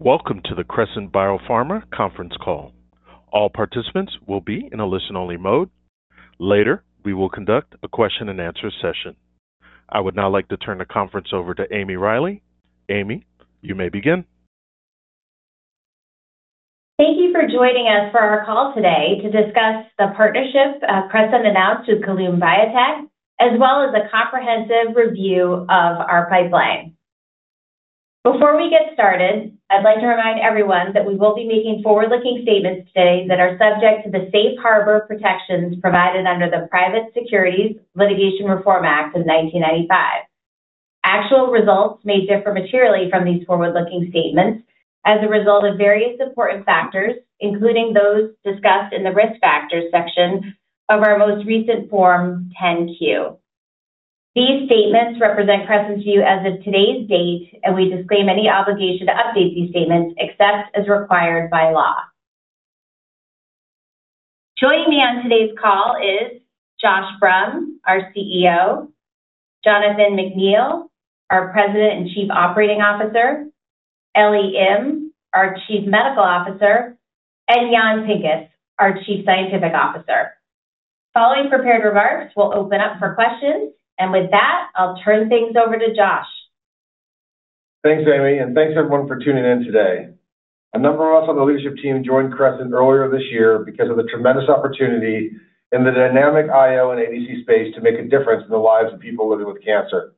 Welcome to the Crescent Biopharma Conference Call. All participants will be in a listen-only mode. Later, we will conduct a question-and-answer session. I would now like to turn the conference over to Amy Reilly. Amy, you may begin. Thank you for joining us for our call today to discuss the partnership Crescent announced with Kelun-Biotech, as well as a comprehensive review of our pipeline. Before we get started, I'd like to remind everyone that we will be making forward-looking statements today that are subject to the safe harbor protections provided under the Private Securities Litigation Reform Act of 1995. Actual results may differ materially from these forward-looking statements as a result of various important factors, including those discussed in the risk factors section of our most recent Form 10-Q. These statements represent Crescent's view as of today's date, and we disclaim any obligation to update these statements except as required by law. Joining me on today's call is Josh Brumm, our CEO, Jonathan McNeill, our President and Chief Operating Officer, Ellie Im, our Chief Medical Officer, and Jan Pinkas, our Chief Scientific Officer. Following prepared remarks, we'll open up for questions, and with that, I'll turn things over to Josh. Thanks, Amy, and thanks everyone for tuning in today. A number of us on the leadership team joined Crescent earlier this year because of the tremendous opportunity in the dynamic IO and ADC space to make a difference in the lives of people living with cancer.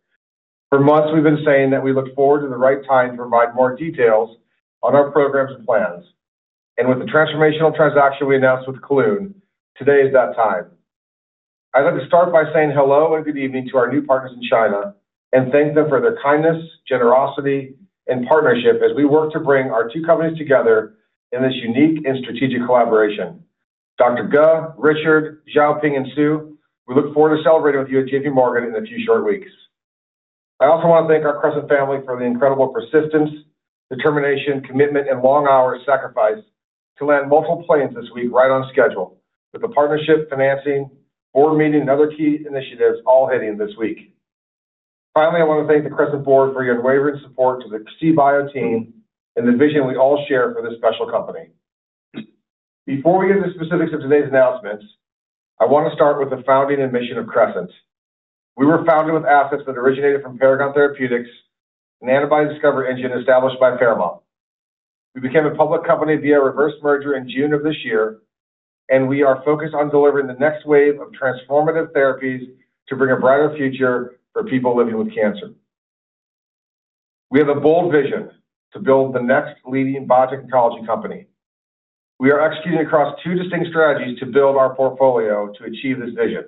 For months, we've been saying that we look forward to the right time to provide more details on our programs and plans, and with the transformational transaction we announced with Kelun, today is that time. I'd like to start by saying hello and good evening to our new partners in China and thank them for their kindness, generosity, and partnership as we work to bring our two companies together in this unique and strategic collaboration. Dr. Ge, Richard, Xiaoping, and Su, we look forward to celebrating with you at JPMorgan in a few short weeks. I also want to thank our Crescent family for the incredible persistence, determination, commitment, and long-hour sacrifice to land multiple planes this week right on schedule, with the partnership, financing, board meeting, and other key initiatives all hitting this week. Finally, I want to thank the Crescent board for your unwavering support to the CBIO team and the vision we all share for this special company. Before we get into the specifics of today's announcements, I want to start with the founding and mission of Crescent. We were founded with assets that originated from Paragon Therapeutics, an antibody discovery engine established by pharma. We became a public company via a reverse merger in June of this year, and we are focused on delivering the next wave of transformative therapies to bring a brighter future for people living with cancer. We have a bold vision to build the next leading biotechnology company. We are executing across two distinct strategies to build our portfolio to achieve this vision.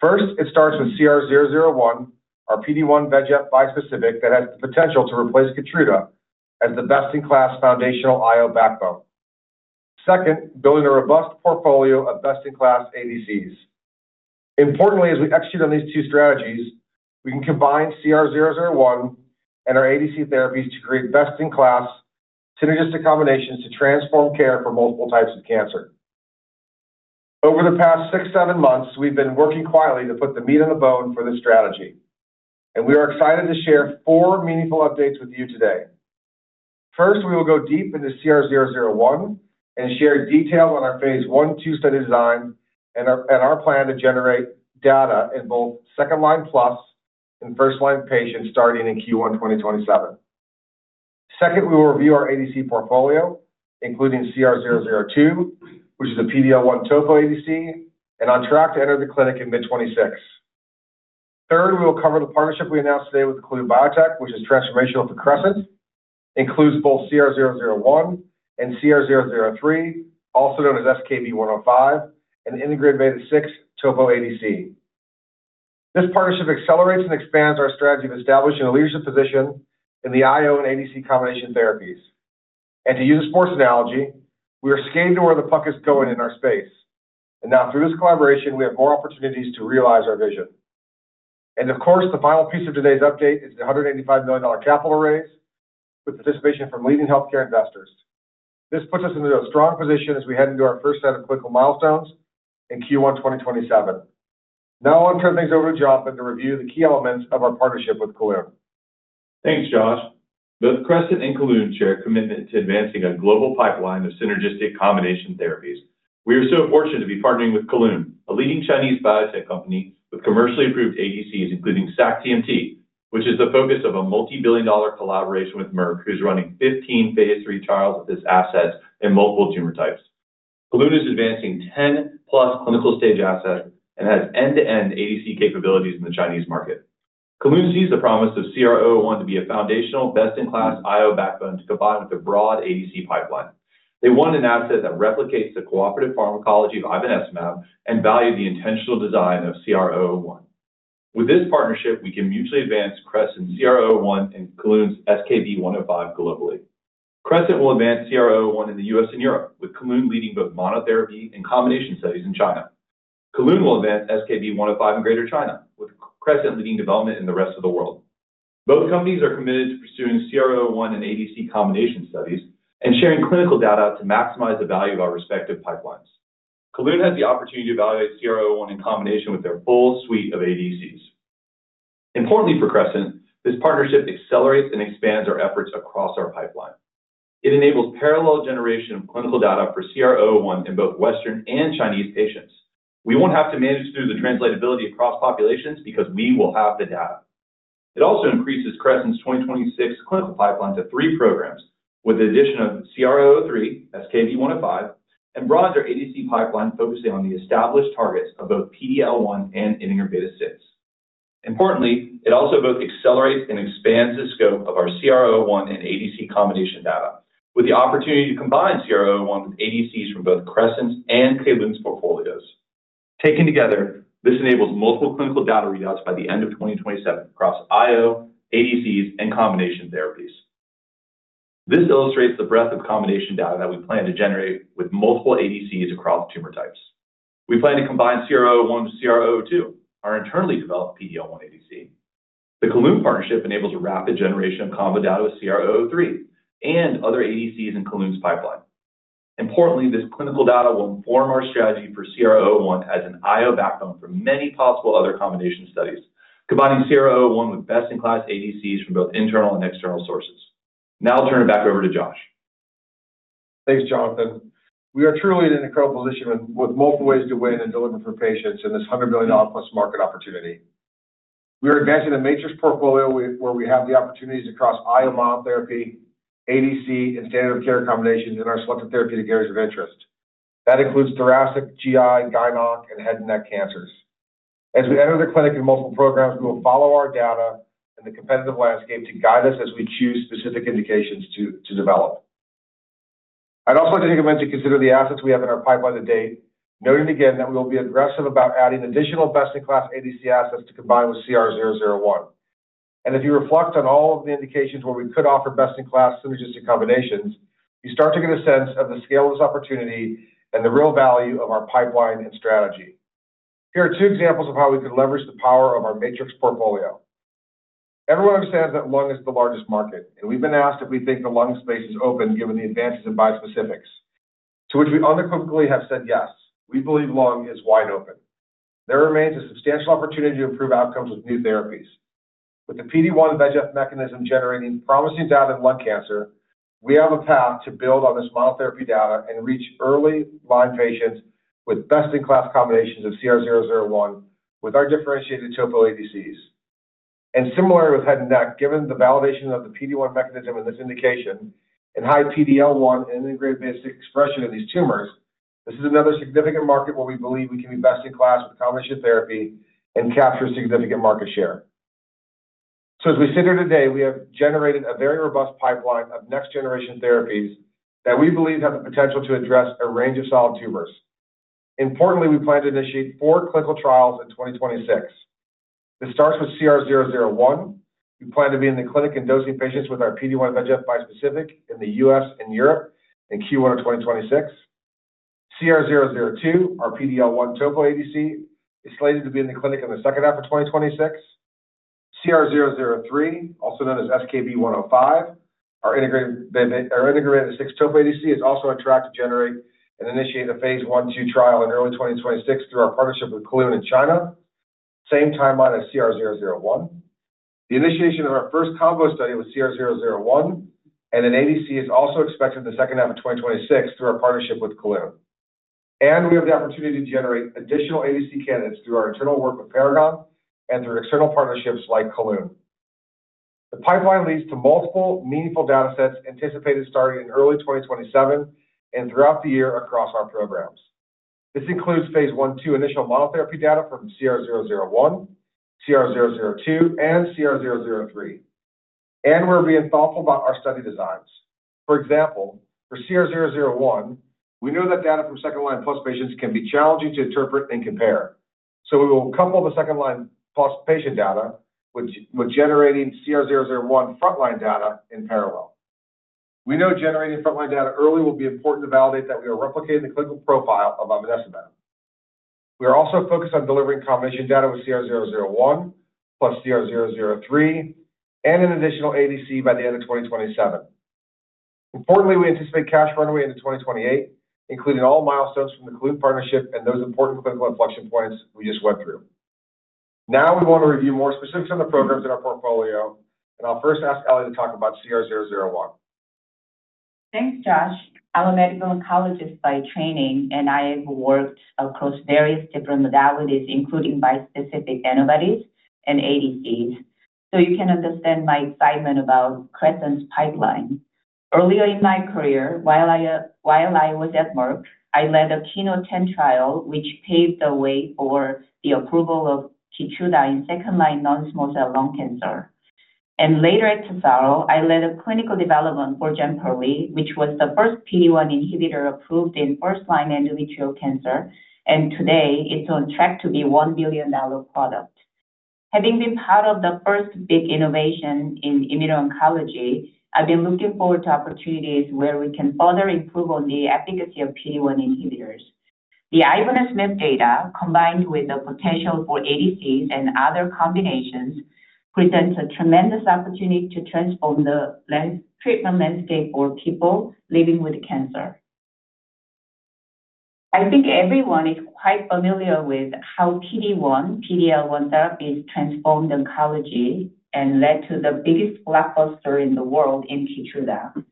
First, it starts with CR001, our PD-1 VEGF bispecific that has the potential to replace Keytruda as the best-in-class foundational IO backbone. Second, building a robust portfolio of best-in-class ADCs. Importantly, as we execute on these two strategies, we can combine CR001 and our ADC therapies to create best-in-class synergistic combinations to transform care for multiple types of cancer. Over the past six, seven months, we've been working quietly to put the meat on the bone for this strategy, and we are excited to share four meaningful updates with you today. First, we will go deep into CR001 and share details on our phase 1/2 study design and our plan to generate data in both second-line plus and first-line patients starting in Q1 2027. Second, we will review our ADC portfolio, including CR002, which is a PD-L1 topo ADC and on track to enter the clinic in mid-2026. Third, we will cover the partnership we announced today with Kelun-Biotech, which is transformational for Crescent, includes both CR001 and CR003, also known as SKB105, and integrin beta-6 topo ADC. This partnership accelerates and expands our strategy of establishing a leadership position in the IO and ADC combination therapies. And to use a sports analogy, we are scaling to where the puck is going in our space. And now, through this collaboration, we have more opportunities to realize our vision. Of course, the final piece of today's update is the $185 million capital raise with participation from leading healthcare investors. This puts us into a strong position as we head into our first set of clinical milestones in Q1 2027. Now, I want to turn things over to Jonathan to review the key elements of our partnership with Kelun-Biotech. Thanks, Josh. Both Crescent and Kelun-Biotech share a commitment to advancing a global pipeline of synergistic combination therapies. We are so fortunate to be partnering with Kelun-Biotech, a leading Chinese biotech company with commercially approved ADCs, including sac-TMT, which is the focus of a multi-billion dollar collaboration with Merck, who's running 15 phase three trials with its assets in multiple tumor types. Kelun-Biotech is advancing 10-plus clinical stage assets and has end-to-end ADC capabilities in the Chinese market. Kelun-Biotech sees the promise of CR001 to be a foundational best-in-class IO backbone to combine with a broad ADC pipeline. They want an asset that replicates the cooperative pharmacology of Ivonescimab and value the intentional design of CR001. With this partnership, we can mutually advance Crescent's CR001 and Kelun-Biotech's SKB105 globally. Crescent will advance CR001 in the U.S. and Europe, with Kelun-Biotech leading both monotherapy and combination studies in China. Kelun-Biotech will advance SKB105 in Greater China, with Crescent leading development in the rest of the world. Both companies are committed to pursuing CR001 and ADC combination studies and sharing clinical data to maximize the value of our respective pipelines. Kelun-Biotech has the opportunity to evaluate CR001 in combination with their full suite of ADCs. Importantly for Crescent, this partnership accelerates and expands our efforts across our pipeline. It enables parallel generation of clinical data for CR001 in both Western and Chinese patients. We won't have to manage through the translatability across populations because we will have the data. It also increases Crescent's 2026 clinical pipeline to three programs with the addition of CR003, SKB105, and broadens our ADC pipeline focusing on the established targets of both PD-1 and integrin beta-6. Importantly, it also both accelerates and expands the scope of our CR001 and ADC combination data, with the opportunity to combine CR001 with ADCs from both Crescent's and Kelun's portfolios. Taken together, this enables multiple clinical data readouts by the end of 2027 across IO, ADCs, and combination therapies. This illustrates the breadth of combination data that we plan to generate with multiple ADCs across tumor types. We plan to combine CR001 with CR002, our internally developed PD-L1 ADC. The Kelun partnership enables a rapid generation of combo data with CR003 and other ADCs in Kelun's pipeline. Importantly, this clinical data will inform our strategy for CR001 as an IO backbone for many possible other combination studies, combining CR001 with best-in-class ADCs from both internal and external sources. Now, I'll turn it back over to Josh. Thanks, Jonathan. We are truly in an incredible position with multiple ways to win in delivering for patients in this $100 million plus market opportunity. We are advancing a matrix portfolio where we have the opportunities across IO monotherapy, ADC, and standard of care combinations in our selected therapeutic areas of interest. That includes thoracic, GI, gynecologic, and head and neck cancers. As we enter the clinic in multiple programs, we will follow our data and the competitive landscape to guide us as we choose specific indications to develop. I'd also like to take a moment to consider the assets we have in our pipeline to date, noting again that we will be aggressive about adding additional best-in-class ADC assets to combine with CR001. And if you reflect on all of the indications where we could offer best-in-class synergistic combinations, you start to get a sense of the scale of this opportunity and the real value of our pipeline and strategy. Here are two examples of how we could leverage the power of our matrix portfolio. Everyone understands that lung is the largest market, and we've been asked if we think the lung space is open given the advances in bispecifics, to which we unequivocally have said yes. We believe lung is wide open. There remains a substantial opportunity to improve outcomes with new therapies. With the PD-1 VEGF mechanism generating promising data in lung cancer, we have a path to build on this monotherapy data and reach early-line patients with best-in-class combinations of CR001 with our differentiated topo ADCs. And similarly, with head and neck, given the validation of the PD-1 mechanism in this indication and high PD-1 and integrin beta-6 expression in these tumors, this is another significant market where we believe we can be best-in-class with combination therapy and capture significant market share. So as we sit here today, we have generated a very robust pipeline of next-generation therapies that we believe have the potential to address a range of solid tumors. Importantly, we plan to initiate four clinical trials in 2026. This starts with CR001. We plan to be in the clinic in dosing patients with our PD-1 VEGF bispecific in the US and Europe in Q1 of 2026. CR002, our PD-L1 topo ADC, is slated to be in the clinic in the second half of 2026. CR003, also known as SKB105, our integrin beta-6 topo ADC, is also on track to generate and initiate a phase one trial in early 2026 through our partnership with Kelun-Biotech in China, same timeline as CR001. The initiation of our first combo study with CR001 and an ADC is also expected in the second half of 2026 through our partnership with Kelun-Biotech. We have the opportunity to generate additional ADC candidates through our internal work with Paragon and through external partnerships like Kelun-Biotech. The pipeline leads to multiple meaningful data sets anticipated starting in early 2027 and throughout the year across our programs. This includes phase one initial monotherapy data from CR001, CR002, and CR003. We're being thoughtful about our study designs. For example, for CR001, we know that data from second-line plus patients can be challenging to interpret and compare. We will couple the second-line plus patient data with generating CR001 frontline data in parallel. We know generating frontline data early will be important to validate that we are replicating the clinical profile of Ivonescimab. We are also focused on delivering combination data with CR001 plus CR003 and an additional ADC by the end of 2027. Importantly, we anticipate cash runway into 2028, including all milestones from the Kelun partnership and those important clinical inflection points we just went through. Now, we want to review more specifics on the programs in our portfolio, and I'll first ask Ellie to talk about CR001. Thanks, Josh. I'm a medical oncologist by training, and I have worked across various different modalities, including bispecific antibodies and ADCs, so you can understand my excitement about Crescent's pipeline. Earlier in my career, while I was at Merck, I led a KEYNOTE-010 trial, which paved the way for the approval of Keytruda in second-line non-small cell lung cancer, and later at Tesaro, I led a clinical development for Jemperli, which was the first PD-1 inhibitor approved in first-line endometrial cancer, and today it's on track to be a $1 billion product. Having been part of the first big innovation in immuno-oncology, I've been looking forward to opportunities where we can further improve on the efficacy of PD-1 inhibitors. The Ivonescimab data, combined with the potential for ADCs and other combinations, presents a tremendous opportunity to transform the treatment landscape for people living with cancer. I think everyone is quite familiar with how PD-1, PD-1 therapies transformed oncology and led to the biggest blockbuster in the world in Keytruda.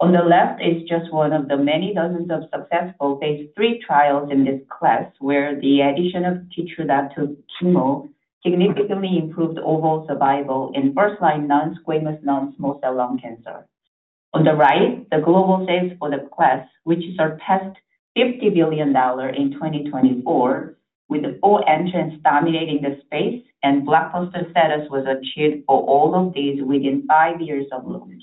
On the left, it's just one of the many dozens of successful phase three trials in this class where the addition of Keytruda to chemo significantly improved overall survival in first-line non-squamous non-small cell lung cancer. On the right, the global sales for the class, which surpassed $50 billion in 2024, with all entrants dominating the space, and blockbuster status was achieved for all of these within five years of launch.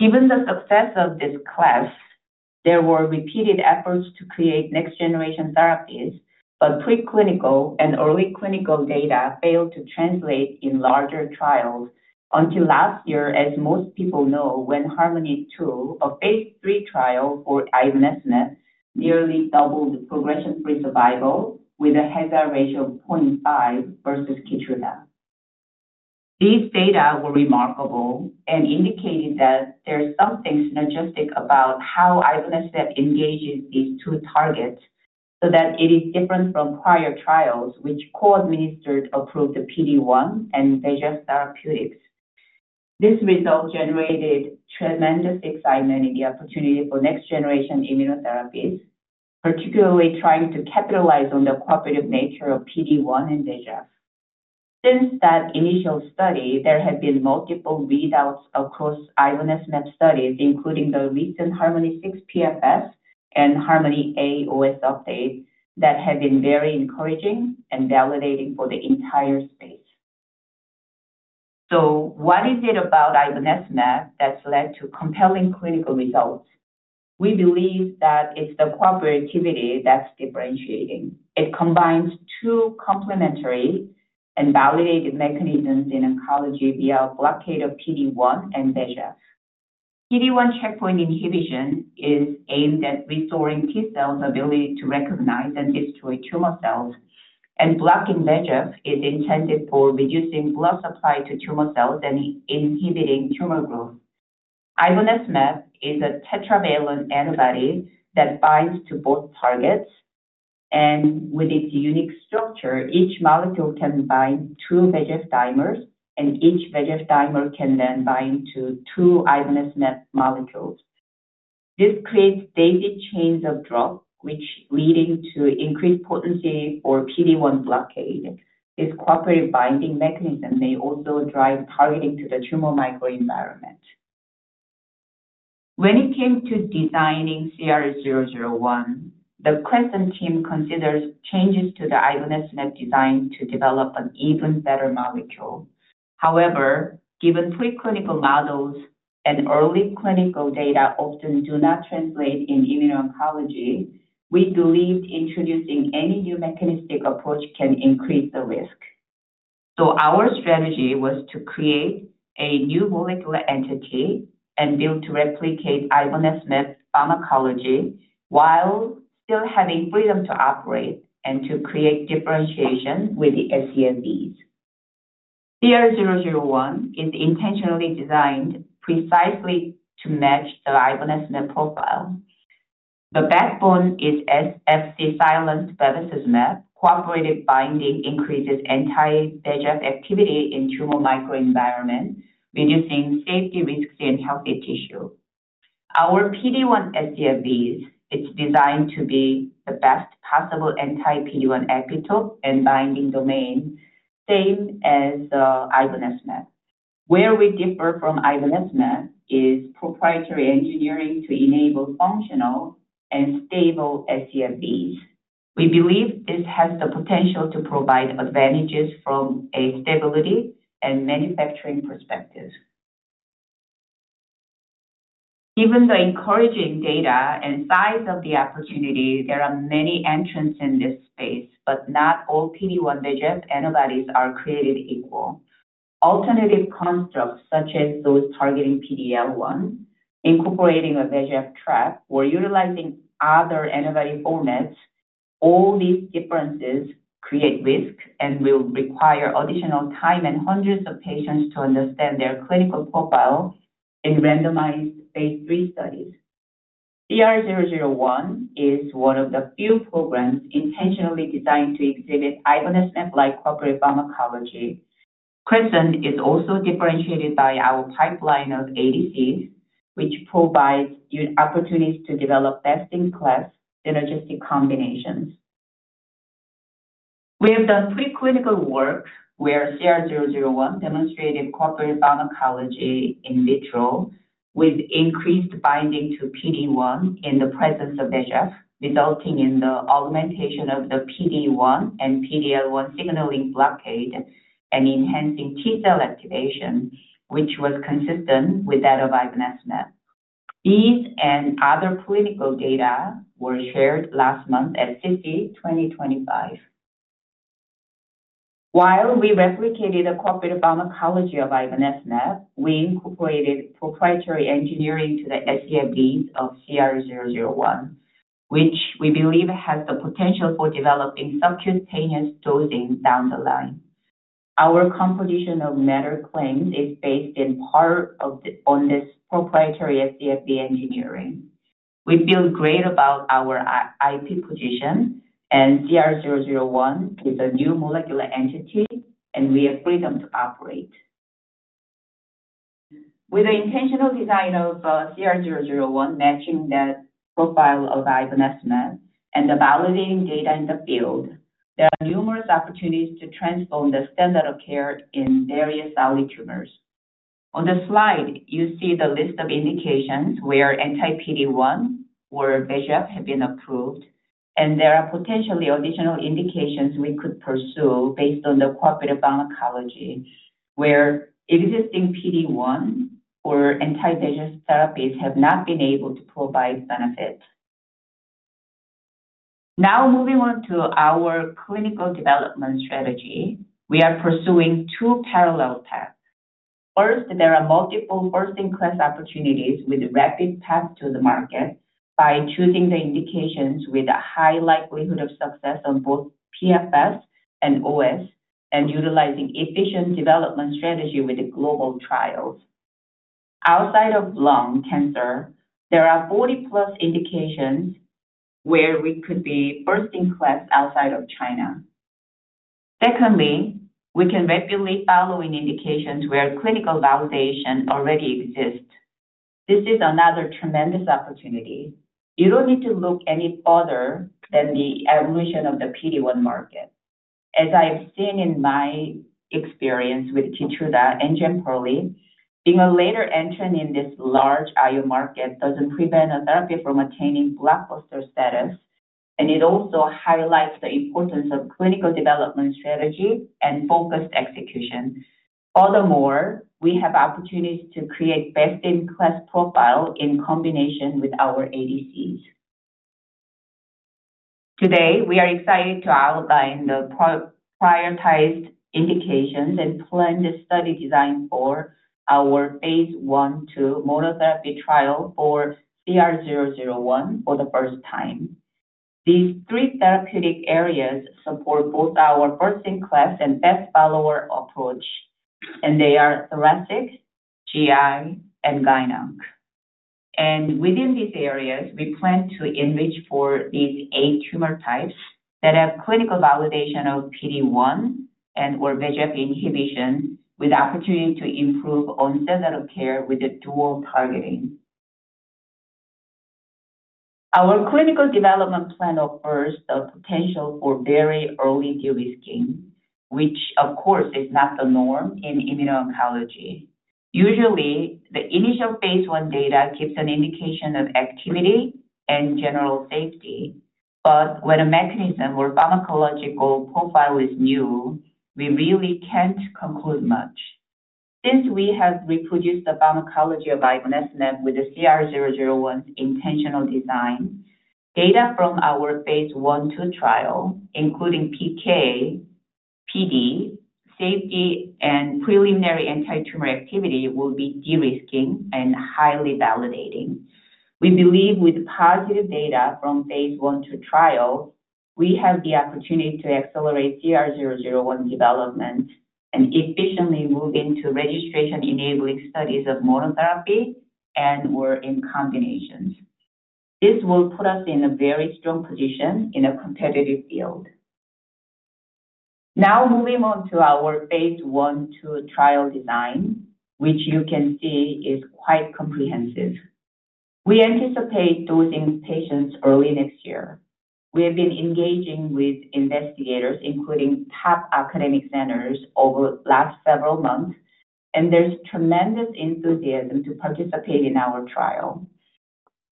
Given the success of this class, there were repeated efforts to create next-generation therapies, but preclinical and early clinical data failed to translate in larger trials until last year, as most people know, when HARMONi-2, a phase 3 trial for ivonescimab, nearly doubled the progression-free survival with an HR of 0.5 versus Keytruda. These data were remarkable and indicated that there's something synergistic about how ivonescimab engages these two targets so that it is different from prior trials, which co-administered approved PD-1 and VEGF therapeutics. This result generated tremendous excitement in the opportunity for next-generation immunotherapies, particularly trying to capitalize on the cooperative nature of PD-1 and VEGF. Since that initial study, there have been multiple readouts across ivonescimab studies, including the recent HARMONi-6 PFS and Harmony OS update that have been very encouraging and validating for the entire space. So what is it about ivonescimab that's led to compelling clinical results? We believe that it's the cooperativity that's differentiating. It combines two complementary and validated mechanisms in oncology via a blockade of PD-1 and VEGF. PD-1 checkpoint inhibition is aimed at restoring T cells' ability to recognize and destroy tumor cells, and blocking VEGF is intended for reducing blood supply to tumor cells and inhibiting tumor growth. Ivonescimab is a tetravalent antibody that binds to both targets, and with its unique structure, each molecule can bind to VEGF dimers, and each VEGF dimer can then bind to two ivonescimab molecules. This creates daisy chains of drugs, which lead to increased potency for PD-1 blockade. This cooperative binding mechanism may also drive targeting to the tumor microenvironment. When it came to designing CR001, the Crescent team considered changes to the ivonescimab design to develop an even better molecule. However, given preclinical models and early clinical data often do not translate in immuno-oncology, we believed introducing any new mechanistic approach can increase the risk. So our strategy was to create a new molecular entity and build to replicate ivonescimab pharmacology while still having freedom to operate and to create differentiation with the scFv. CR001 is intentionally designed precisely to match the ivonescimab profile. The backbone is Fc-silenced bevacizumab. Cooperative binding increases anti-VEGF activity in tumor microenvironment, reducing safety risks in healthy tissue. Our PD-1 scFv is designed to be the best possible anti-PD-1 epitope and binding domain, same as ivonescimab. Where we differ from ivonescimab is proprietary engineering to enable functional and stable scFv. We believe this has the potential to provide advantages from a stability and manufacturing perspective. Given the encouraging data and size of the opportunity, there are many entrants in this space, but not all PD-1 VEGF antibodies are created equal. Alternative constructs, such as those targeting PD-1, incorporating a VEGF trap, or utilizing other antibody formats, all these differences create risk and will require additional time and hundreds of patients to understand their clinical profile in randomized phase 3 studies. CR001 is one of the few programs intentionally designed to exhibit ivonescimab-like cooperative pharmacology. Crescent is also differentiated by our pipeline of ADCs, which provides opportunities to develop best-in-class synergistic combinations. We have done preclinical work where CR001 demonstrated cooperative pharmacology in vitro with increased binding to PD-1 in the presence of VEGF, resulting in the augmentation of the PD-1 and PD-1 signaling blockade and enhancing T cell activation, which was consistent with that of ivonescimab. These and other clinical data were shared last month at SITC 2025. While we replicated the cooperative pharmacology of ivonescimab, we incorporated proprietary engineering to the scFvs of CR001, which we believe has the potential for developing subcutaneous dosing down the line. Our composition of matter claims is based in part on this proprietary scFv engineering. We feel great about our IP position, and CR001 is a new molecular entity, and we have freedom to operate. With the intentional design of CR001 matching that profile of ivonescimab and the validating data in the field, there are numerous opportunities to transform the standard of care in various solid tumors. On the slide, you see the list of indications where anti-PD-1 or VEGF have been approved, and there are potentially additional indications we could pursue based on the cooperative pharmacology where existing PD-1 or anti-VEGF therapies have not been able to provide benefit. Now, moving on to our clinical development strategy, we are pursuing two parallel paths. First, there are multiple first-in-class opportunities with rapid path to the market by choosing the indications with a high likelihood of success on both PFS and OS and utilizing efficient development strategy with global trials. Outside of lung cancer, there are 40-plus indications where we could be first-in-class outside of China. Secondly, we can leverage following indications where clinical validation already exists. This is another tremendous opportunity. You don't need to look any further than the evolution of the PD-1 market. As I've seen in my experience with Keytruda and Jemperli, being a later entrant in this large IO market doesn't prevent a therapy from attaining blockbuster status, and it also highlights the importance of clinical development strategy and focused execution. Furthermore, we have opportunities to create best-in-class profile in combination with our ADCs. Today, we are excited to outline the prioritized indications and planned study design for our phase one monotherapy trial for CR001 for the first time. These three therapeutic areas support both our first-in-class and best follower approach, and they are thoracic, GI, and GU-onc. Within these areas, we plan to enrich for these eight tumor types that have clinical validation of PD-1 and/or VEGF inhibition with the opportunity to improve on standard of care with dual targeting. Our clinical development plan offers the potential for very early de-risking, which, of course, is not the norm in immuno-oncology. Usually, the initial phase 1 data gives an indication of activity and general safety, but when a mechanism or pharmacological profile is new, we really can't conclude much. Since we have reproduced the pharmacology of Ivonescimab with the CR001's intentional design, data from our phase 1 trial, including PK, PD, safety, and preliminary anti-tumor activity, will be de-risking and highly validating. We believe with positive data from phase 1 trial, we have the opportunity to accelerate CR001 development and efficiently move into registration-enabling studies of monotherapy and/or in combinations. This will put us in a very strong position in a competitive field. Now, moving on to our phase 1 trial design, which you can see is quite comprehensive. We anticipate dosing patients early next year. We have been engaging with investigators, including top academic centers, over the last several months, and there's tremendous enthusiasm to participate in our trial.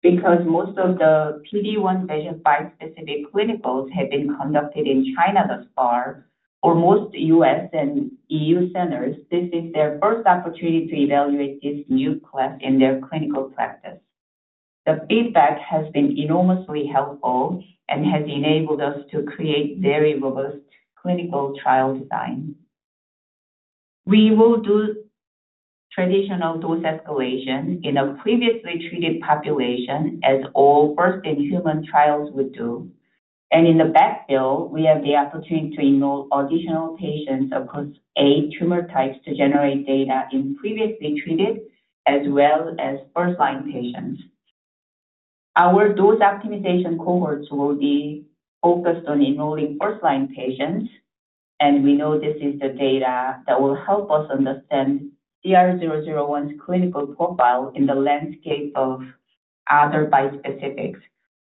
Because most of the PD-1 VEGF bispecific clinicals have been conducted in China thus far, for most US and EU centers, this is their first opportunity to evaluate this new class in their clinical practice. The feedback has been enormously helpful and has enabled us to create very robust clinical trial design. We will do traditional dose escalation in a previously treated population, as all first-in-human trials would do. And in the backfill, we have the opportunity to enroll additional patients across eight tumor types to generate data in previously treated as well as first-line patients. Our dose optimization cohorts will be focused on enrolling first-line patients, and we know this is the data that will help us understand CR001's clinical profile in the landscape of other bispecifics,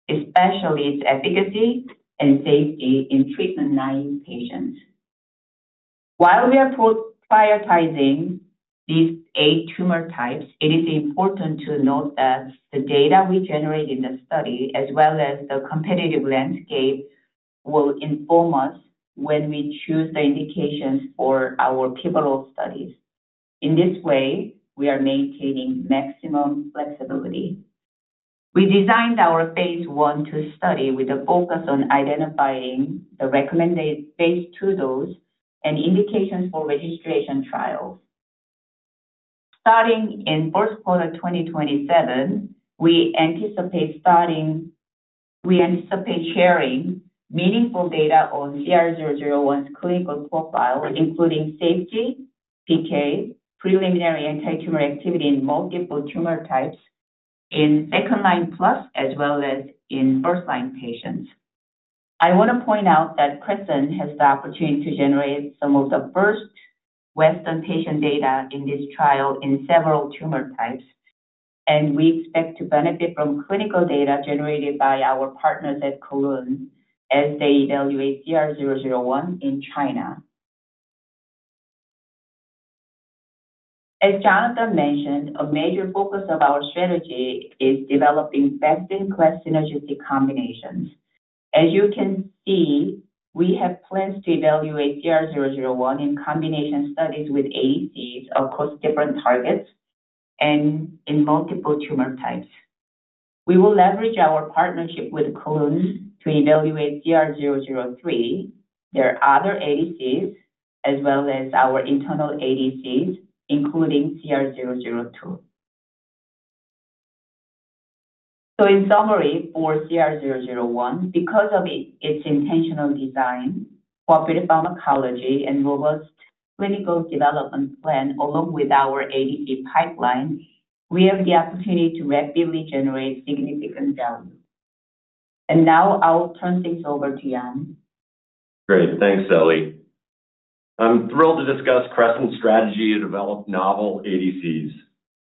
especially its efficacy and safety in frontline patients. While we are prioritizing these eight tumor types, it is important to note that the data we generate in the study, as well as the competitive landscape, will inform us when we choose the indications for our pivotal studies. In this way, we are maintaining maximum flexibility. We designed our phase 1/2 study with a focus on identifying the recommended phase 2 dose and indications for registration trials. Starting in first quarter 2027, we anticipate sharing meaningful data on CR001's clinical profile, including safety, PK, preliminary anti-tumor activity in multiple tumor types in second-line plus as well as in first-line patients. I want to point out that Crescent has the opportunity to generate some of the first Western patient data in this trial in several tumor types, and we expect to benefit from clinical data generated by our partners at Kelun as they evaluate CR001 in China. As Jonathan mentioned, a major focus of our strategy is developing best-in-class synergistic combinations. As you can see, we have plans to evaluate CR001 in combination studies with ADCs across different targets and in multiple tumor types. We will leverage our partnership with Kelun to evaluate CR003, their other ADCs, as well as our internal ADCs, including CR002. So in summary for CR001, because of its intentional design, cooperative pharmacology, and robust clinical development plan along with our ADC pipeline, we have the opportunity to rapidly generate significant value. And now I'll turn things over to Jan. Great. Thanks, Ellie. I'm thrilled to discuss Crescent's strategy to develop novel ADCs.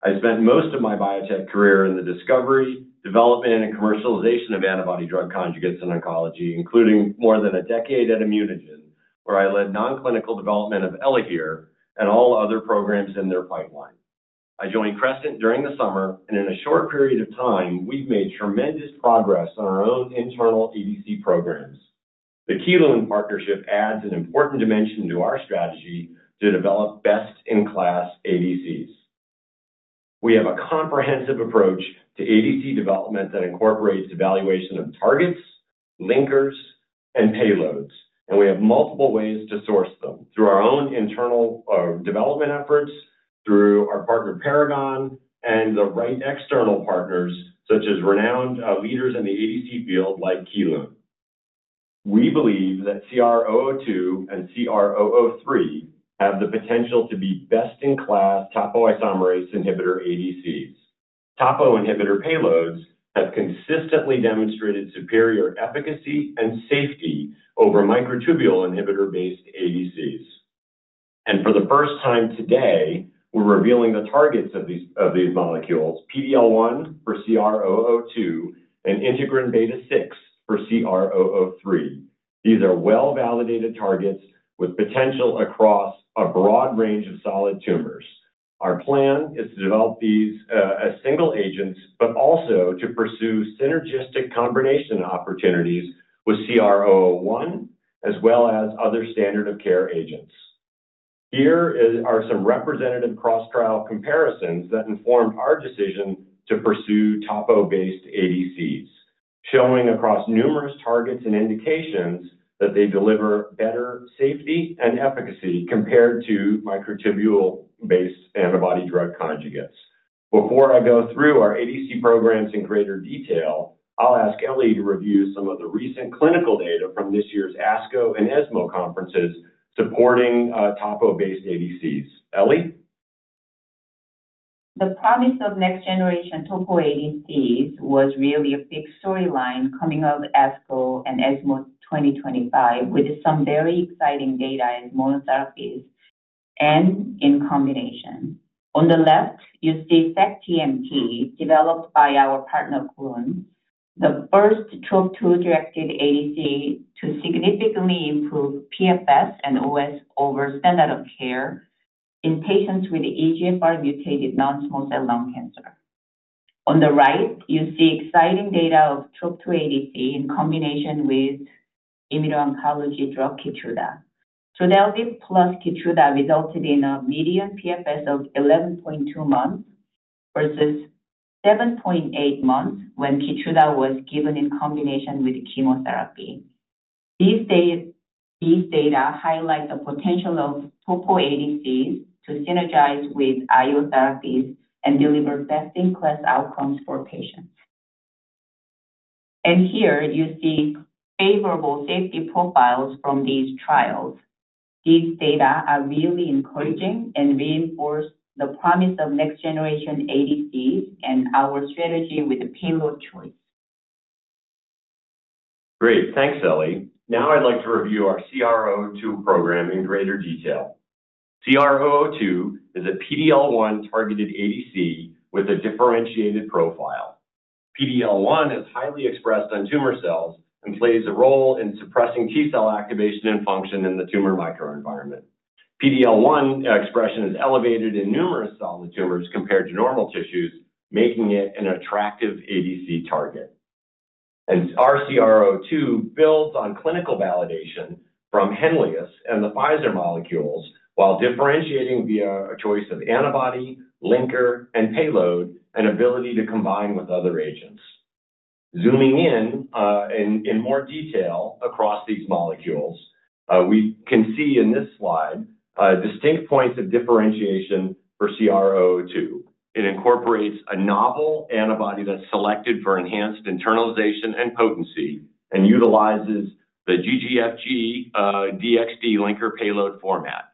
I spent most of my biotech career in the discovery, development, and commercialization of antibody drug conjugates in oncology, including more than a decade at ImmunoGen, where I led non-clinical development of Elahere and all other programs in their pipeline. I joined Crescent during the summer, and in a short period of time, we've made tremendous progress on our own internal ADC programs. The Kelun Partnership adds an important dimension to our strategy to develop best-in-class ADCs. We have a comprehensive approach to ADC development that incorporates evaluation of targets, linkers, and payloads, and we have multiple ways to source them through our own internal development efforts, through our partner Paragon, and the right external partners such as renowned leaders in the ADC field like Kelun. We believe that CR002 and CR003 have the potential to be best-in-class topoisomerase inhibitor ADCs. Topo inhibitor payloads have consistently demonstrated superior efficacy and safety over microtubule inhibitor-based ADCs, and for the first time today, we're revealing the targets of these molecules: PD-L1 for CR002 and integrin beta-6 for CR003. These are well-validated targets with potential across a broad range of solid tumors. Our plan is to develop these as single agents, but also to pursue synergistic combination opportunities with CR001 as well as other standard of care agents. Here are some representative cross-trial comparisons that informed our decision to pursue topo-based ADCs, showing across numerous targets and indications that they deliver better safety and efficacy compared to microtubule-based antibody-drug conjugates. Before I go through our ADC programs in greater detail, I'll ask Ellie to review some of the recent clinical data from this year's ASCO and ESMO conferences supporting topo-based ADCs. Ellie? The promise of next-generation topo ADCs was really a big storyline coming out of ASCO and ESMO 2025 with some very exciting data in monotherapies and in combination. On the left, you see sac-TMT developed by our partner Kelun-Biotech, the first TROP2-directed ADC to significantly improve PFS and OS over standard of care in patients with EGFR-mutated non-small cell lung cancer. On the right, you see exciting data of TROP2 ADC in combination with immuno-oncology drug Keytruda. Trodelvy plus Keytruda resulted in a median PFS of 11.2 months versus 7.8 months when Keytruda was given in combination with chemotherapy. These data highlight the potential of topo ADCs to synergize with IO therapies and deliver best-in-class outcomes for patients. Here, you see favorable safety profiles from these trials. These data are really encouraging and reinforce the promise of next-generation ADCs and our strategy with the payload choice. Great. Thanks, Ellie. Now I'd like to review our CR002 program in greater detail. CR002 is a PD-L1 targeted ADC with a differentiated profile. PD-L1 is highly expressed on tumor cells and plays a role in suppressing T cell activation and function in the tumor microenvironment. PD-L1 expression is elevated in numerous solid tumors compared to normal tissues, making it an attractive ADC target. Our CR002 builds on clinical validation from Henlius and the Pfizer molecules while differentiating via a choice of antibody, linker, and payload, and ability to combine with other agents. Zooming in more detail across these molecules, we can see in this slide distinct points of differentiation for CR002. It incorporates a novel antibody that's selected for enhanced internalization and potency and utilizes the GGFG DXd linker payload format.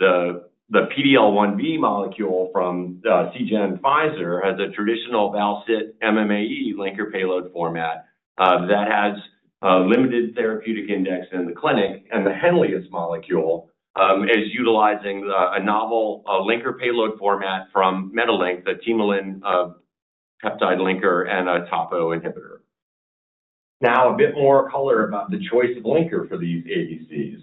The PD-L1V molecule from Seagen/Pfizer has a traditional val-cit MMAE linker payload format that has a limited therapeutic index in the clinic, and the Henlius molecule is utilizing a novel linker payload format from MediLink, the TMALIN peptide linker and a topo inhibitor. Now, a bit more color about the choice of linker for these ADCs.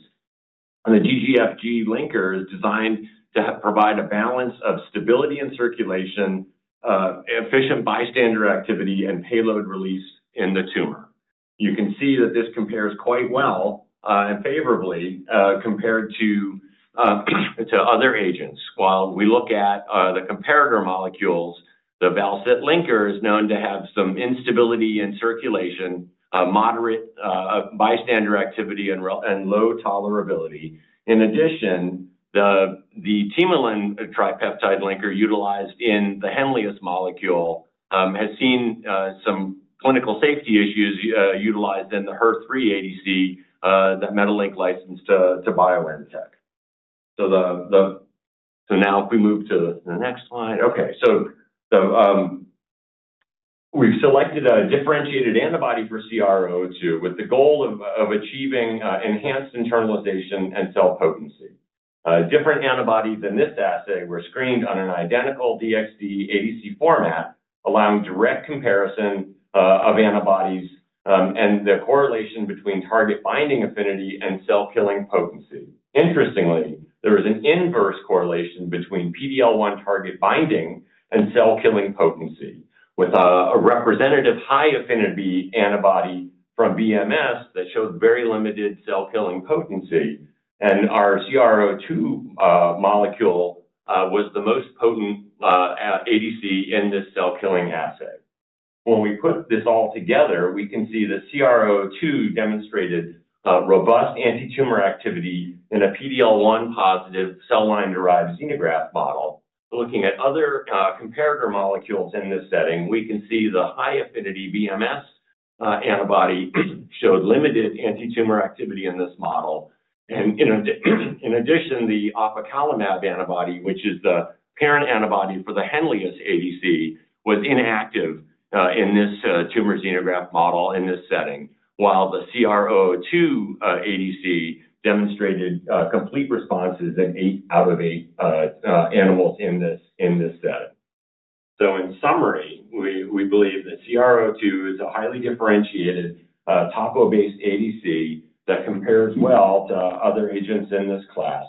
The GGFG linker is designed to provide a balance of stability and circulation, efficient bystander activity, and payload release in the tumor. You can see that this compares quite well and favorably compared to other agents. While we look at the comparator molecules, the val-cit linker is known to have some instability in circulation, moderate bystander activity, and low tolerability. In addition, the TIMALIN tripeptide linker utilized in the Henlius molecule has seen some clinical safety issues utilized in the HER3 ADC that MediLink licensed to BioNTech. So now if we move to the next slide. Okay. So we've selected a differentiated antibody for CR002 with the goal of achieving enhanced internalization and cell potency. Different antibodies in this assay were screened on an identical DXd ADC format, allowing direct comparison of antibodies and the correlation between target binding affinity and cell-killing potency. Interestingly, there was an inverse correlation between PD-L1 target binding and cell-killing potency, with a representative high affinity antibody from BMS that showed very limited cell-killing potency. And our CR002 molecule was the most potent ADC in this cell-killing assay. When we put this all together, we can see that CR002 demonstrated robust anti-tumor activity in a PD-L1 positive cell line-derived xenograft model. Looking at other comparator molecules in this setting, we can see the high affinity BMS antibody showed limited anti-tumor activity in this model, and in addition, the ofacolimab antibody, which is the parent antibody for the Henlius ADC, was inactive in this tumor xenograft model in this setting, while the CR002 ADC demonstrated complete responses in eight out of eight animals in this setting. So in summary, we believe that CR002 is a highly differentiated topo-based ADC that compares well to other agents in this class,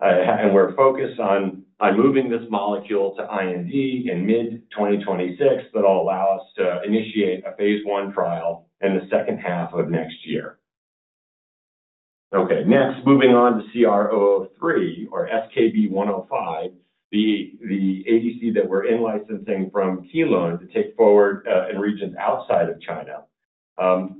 and we're focused on moving this molecule to IND in mid-2026 that'll allow us to initiate a phase one trial in the second half of next year. Okay. Next, moving on to CR003 or SKB105, the ADC that we're in-licensing from Kelun-Biotech to take forward in regions outside of China.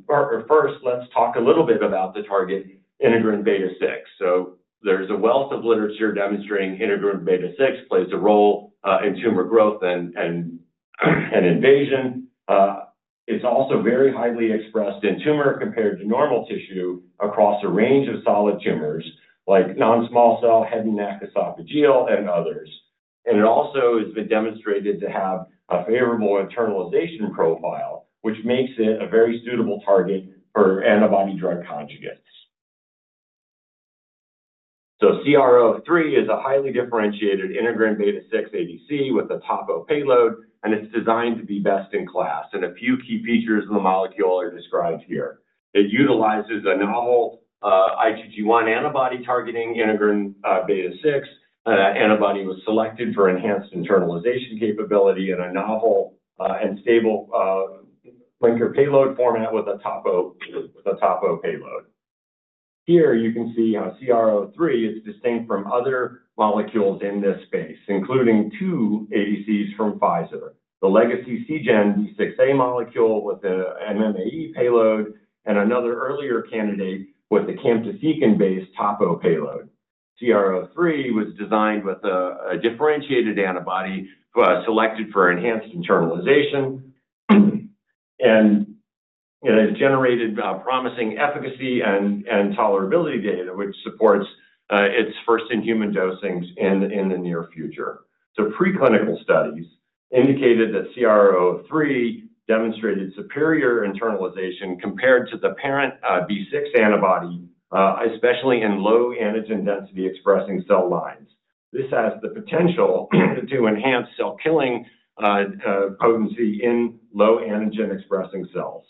First, let's talk a little bit about the target integrin beta-6. There's a wealth of literature demonstrating integrin beta-6 plays a role in tumor growth and invasion. It's also very highly expressed in tumor compared to normal tissue across a range of solid tumors like non-small-cell head and neck esophageal and others. It also has been demonstrated to have a favorable internalization profile, which makes it a very suitable target for antibody-drug conjugates. CR003 is a highly differentiated integrin beta-6 ADC with a topo payload, and it's designed to be best-in-class. A few key features of the molecule are described here. It utilizes a novel IgG1 antibody targeting integrin beta-6. Antibody was selected for enhanced internalization capability in a novel and stable linker payload format with a topo payload. Here, you can see how CR003 is distinct from other molecules in this space, including two ADCs from Pfizer, the legacy Seagen B6A molecule with an MMAE payload and another earlier candidate with the camptothecin-based topo payload. CR003 was designed with a differentiated antibody selected for enhanced internalization and has generated promising efficacy and tolerability data, which supports its first in-human dosings in the near future. The preclinical studies indicated that CR003 demonstrated superior internalization compared to the parent V6 antibody, especially in low antigen density expressing cell lines. This has the potential to enhance cell-killing potency in low antigen expressing cells.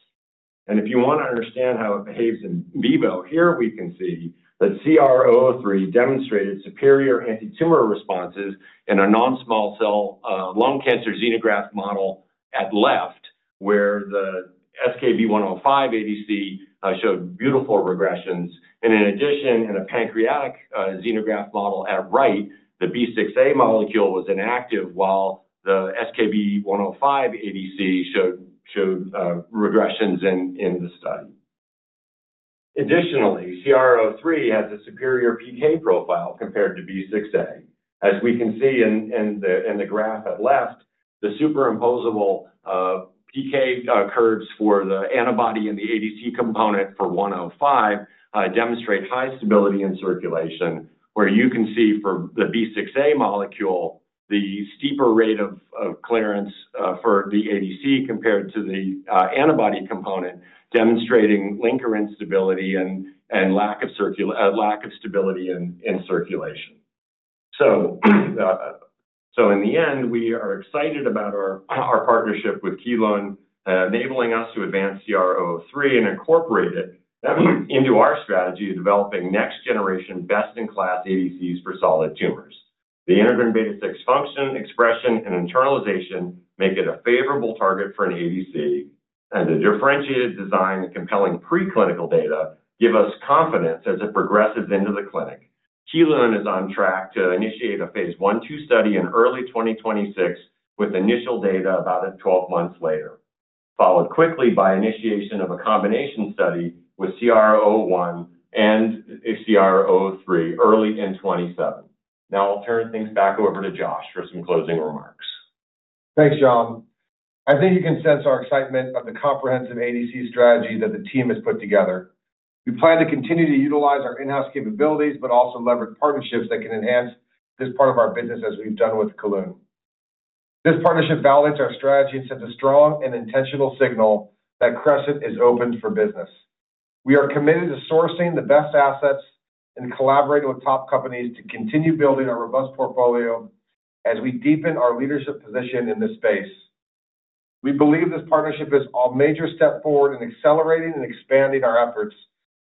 If you want to understand how it behaves in vivo, here we can see that CR003 demonstrated superior anti-tumor responses in a non-small cell lung cancer xenograft model at left, where the SKB105 ADC showed beautiful regressions. In addition, in a pancreatic xenograft model at right, the B6A molecule was inactive, while the SKB105 ADC showed regressions in the study. Additionally, CR003 has a superior PK profile compared to B6A. As we can see in the graph at left, the superimposable PK curves for the antibody and the ADC component for 105 demonstrate high stability in circulation, where you can see for the B6A molecule, the steeper rate of clearance for the ADC compared to the antibody component demonstrating linker instability and lack of stability in circulation. In the end, we are excited about our partnership with Kelun-Biotech, enabling us to advance CR003 and incorporate it into our strategy of developing next-generation best-in-class ADCs for solid tumors. The integrin beta-6 function, expression, and internalization make it a favorable target for an ADC, and the differentiated design and compelling preclinical data give us confidence as it progresses into the clinic. Kelun-Biotech is on track to initiate a phase one-two study in early 2026 with initial data about 12 months later, followed quickly by initiation of a combination study with CR001 and CR003 early in 2027. Now I'll turn things back over to Josh for some closing remarks. Thanks, Jan. I think you can sense our excitement of the comprehensive ADC strategy that the team has put together. We plan to continue to utilize our in-house capabilities, but also leverage partnerships that can enhance this part of our business as we've done with Kelun-Biotech. This partnership validates our strategy and sends a strong and intentional signal that Crescent is open for business. We are committed to sourcing the best assets and collaborating with top companies to continue building our robust portfolio as we deepen our leadership position in this space. We believe this partnership is a major step forward in accelerating and expanding our efforts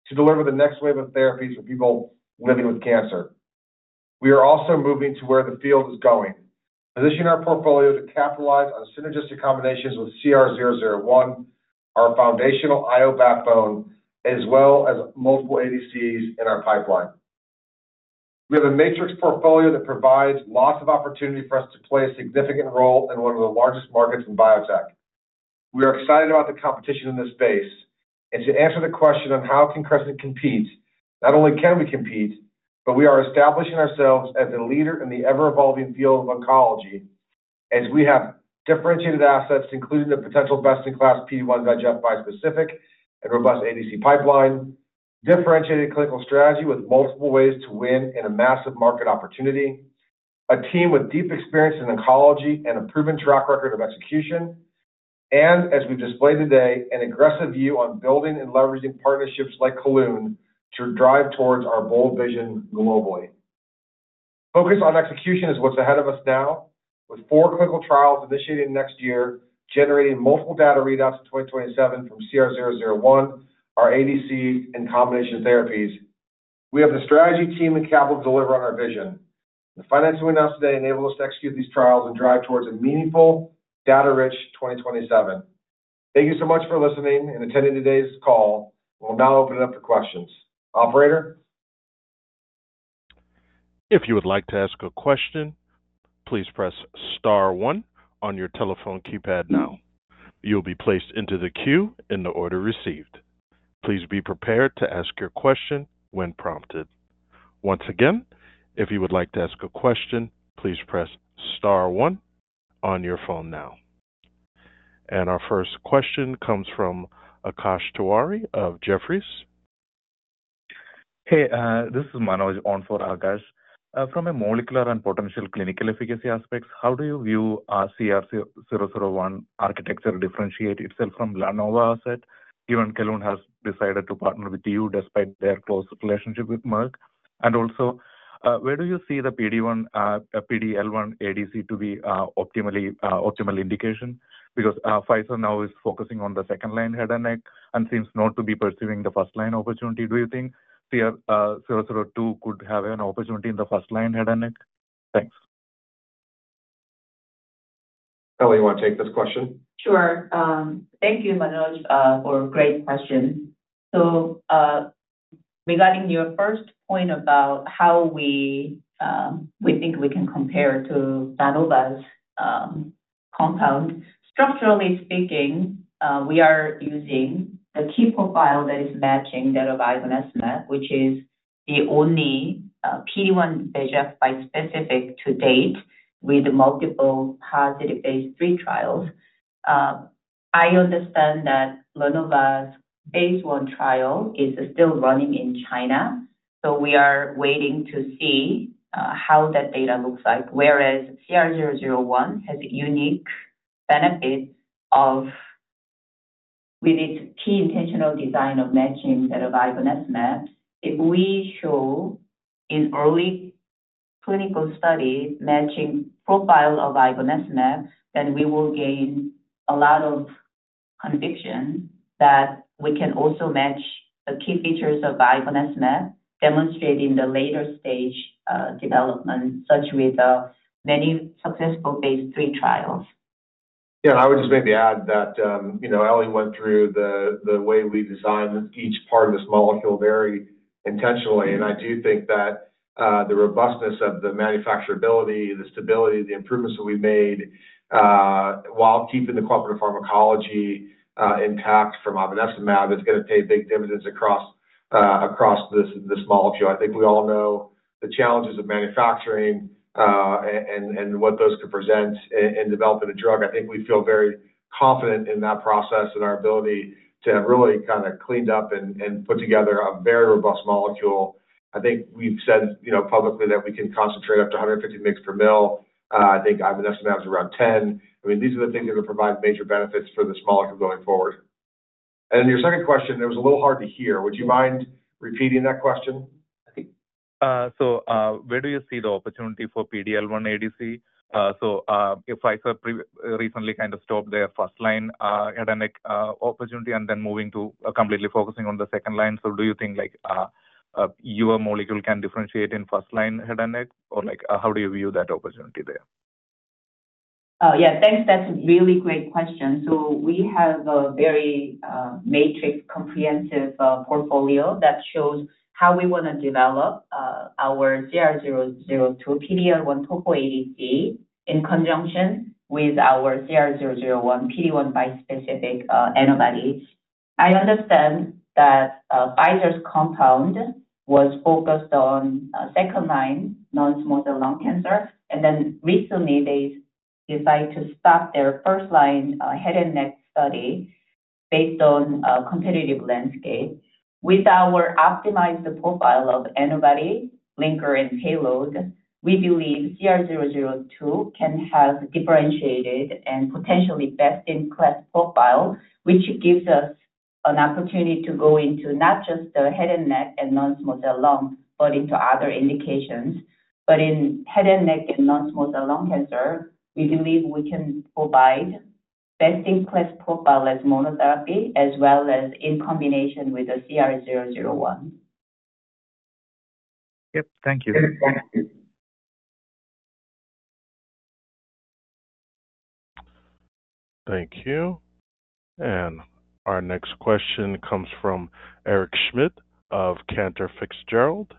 to deliver the next wave of therapies for people living with cancer. We are also moving to where the field is going, positioning our portfolio to capitalize on synergistic combinations with CR001, our foundational IO backbone, as well as multiple ADCs in our pipeline. We have a matrix portfolio that provides lots of opportunity for us to play a significant role in one of the largest markets in biotech. We are excited about the competition in this space. To answer the question on how can Crescent compete, not only can we compete, but we are establishing ourselves as a leader in the ever-evolving field of oncology as we have differentiated assets, including the potential best-in-class PD-1 VEGF bispecific and robust ADC pipeline, differentiated clinical strategy with multiple ways to win in a massive market opportunity, a team with deep experience in oncology and a proven track record of execution, and as we've displayed today, an aggressive view on building and leveraging partnerships like Kelun to drive towards our bold vision globally. Focus on execution is what's ahead of us now, with four clinical trials initiated next year, generating multiple data readouts in 2027 from CR001, our ADC, and combination therapies. We have the strategy, the team and capital to deliver on our vision. The financing we announced today enables us to execute these trials and drive towards a meaningful, data-rich 2027. Thank you so much for listening and attending today's call. We'll now open it up to questions. Operator. If you would like to ask a question, please press star one on your telephone keypad now. You'll be placed into the queue in the order received. Please be prepared to ask your question when prompted. Once again, if you would like to ask a question, please press star one on your phone now. Our first question comes from Akash Tiwari of Jefferies. Hey, this is Manoj on for Akash. From a molecular and potential clinical efficacy aspect, how do you view CR001 architecture differentiate itself from LaNova asset? Even Kelun has decided to partner with you despite their close relationship with Merck. Also, where do you see the PD-L1 ADC to be an optimal indication? Because Pfizer now is focusing on the second line head and neck and seems not to be pursuing the first line opportunity. Do you think CR002 could have an opportunity in the first line head and neck? Thanks. Ellie, you want to take this question? Sure. Thank you, Manoj, for great questions. Regarding your first point about how we think we can compare to LaNova's compound, structurally speaking, we are using the VEGF profile that is matching that of ivonescimab, which is the only PD-1 VEGF bispecific to date with multiple positive phase three trials. I understand that LaNova's phase one trial is still running in China. So we are waiting to see how that data looks like, whereas CR001 has a unique benefit of, with its VEGF intentional design of matching that of ivonescimab. If we show in early clinical study matching profile of ivonescimab, then we will gain a lot of conviction that we can also match the key features of ivonescimab demonstrated in the later stage development, such with many successful phase 3 trials. Yeah, and I would just maybe add that Ellie went through the way we designed each part of this molecule very intentionally. And I do think that the robustness of the manufacturability, the stability, the improvements that we've made while keeping the core pharmacology intact from ivonescimab is going to pay big dividends across this molecule. I think we all know the challenges of manufacturing and what those could present in developing a drug. I think we feel very confident in that process and our ability to have really kind of cleaned up and put together a very robust molecule. I think we've said publicly that we can concentrate up to 150 mg per mL. I think ivonescimab has around 10. I mean, these are the things that will provide major benefits for this molecule going forward. And then your second question, it was a little hard to hear. Would you mind repeating that question? So where do you see the opportunity for PD-L1 ADC? So if Pfizer recently kind of stopped their first-line head-and-neck opportunity and then moving to completely focusing on the second-line, so do you think your molecule can differentiate in first-line head-and-neck? Or how do you view that opportunity there? Oh, yeah. Thanks. That's a really great question. So we have a very mature comprehensive portfolio that shows how we want to develop our CR002 PD-L1 topo ADC in conjunction with our CR001 PD-1 bispecific antibody. I understand that Pfizer's compound was focused on second line non-small cell lung cancer, and then recently they decided to stop their first line head and neck study based on competitive landscape. With our optimized profile of antibody, linker, and payload, we believe CR002 can have differentiated and potentially best-in-class profile, which gives us an opportunity to go into not just the head and neck and non-small cell lung, but into other indications. But in head and neck and non-small cell lung cancer, we believe we can provide best-in-class profile as monotherapy as well as in combination with the CR001. Yep. Thank you. Thank you. And our next question comes from Eric Schmidt of Cantor Fitzgerald.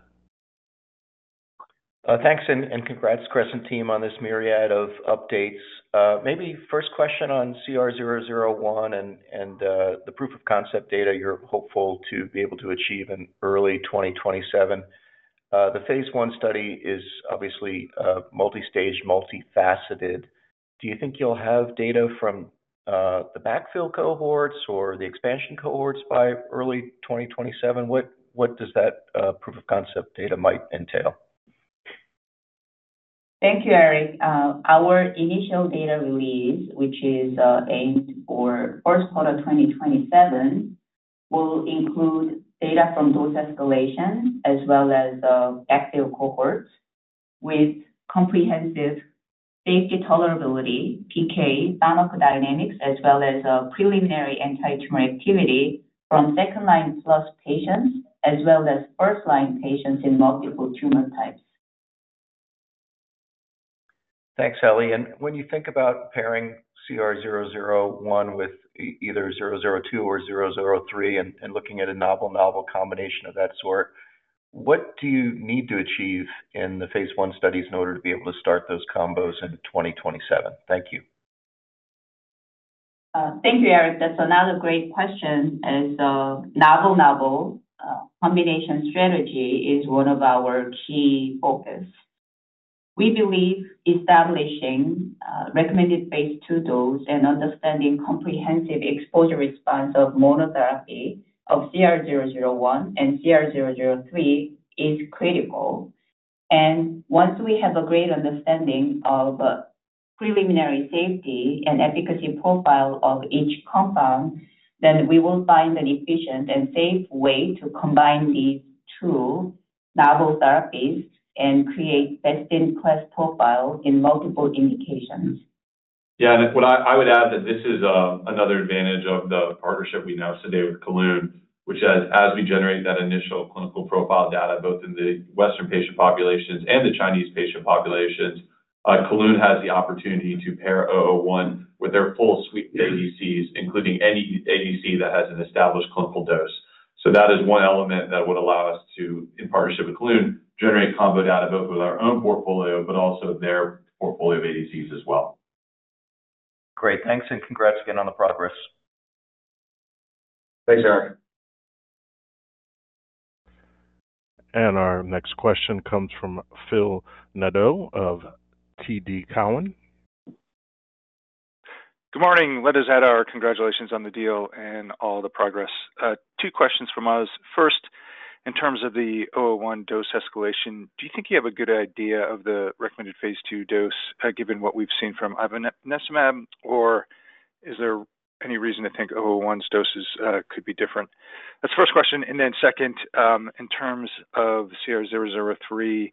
Thanks and congrats, Crescent team, on this myriad of updates. Maybe first question on CR001 and the proof of concept data you're hopeful to be able to achieve in early 2027. The phase 1 study is obviously multi-staged, multifaceted. Do you think you'll have data from the backfill cohorts or the expansion cohorts by early 2027? What does that proof-of-concept data might entail? Thank you, Eric. Our initial data release, which is aimed for first quarter 2027, will include data from dose escalation as well as backfill cohorts with comprehensive safety, tolerability, PK, pharmacodynamics, as well as preliminary anti-tumor activity from second-line plus patients, as well as first-line patients in multiple tumor types. Thanks, Ellie. And when you think about pairing CR-001 with either 002 or 003 and looking at a novel combination of that sort, what do you need to achieve in the phase 1 studies in order to be able to start those combos in 2027? Thank you. Thank you, Eric. That's another great question. As a novel combination strategy is one of our key focus. We believe establishing recommended phase 2 dose and understanding comprehensive exposure response of monotherapy of CR001 and CR003 is critical, and once we have a great understanding of preliminary safety and efficacy profile of each compound, then we will find an efficient and safe way to combine these two novel therapies and create best-in-class profile in multiple indications. Yeah, and I would add that this is another advantage of the partnership we announced today with Kelun-Biotech, which says as we generate that initial clinical profile data, both in the Western patient populations and the Chinese patient populations, Kelun-Biotech has the opportunity to pair 001 with their full suite of ADCs, including any ADC that has an established clinical dose. So that is one element that would allow us to, in partnership with Kelun, generate combo data both with our own portfolio, but also their portfolio of ADCs as well. Great. Thanks. And congrats again on the progress. Thanks, Eric. And our next question comes from Phil Nadeau of TD Cowen. Good morning. Let us add our congratulations on the deal and all the progress. Two questions from us. First, in terms of the 001 dose escalation, do you think you have a good idea of the recommended phase two dose given what we've seen from ivonescimab, or is there any reason to think 001's doses could be different? That's the first question. And then second, in terms of CR003,